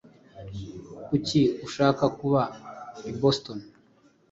Kuki ushaka kuba i Boston?